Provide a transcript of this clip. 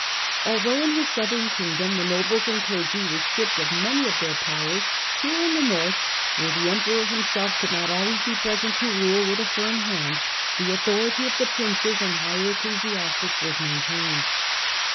Although in his Southern Kingdom the nobles and clergy were stripped of many of their powers, here in the North, where the Emperor himself could not always be present to rule with a firm hand, the authority of the Princes and higher ecclesiastics was maintained.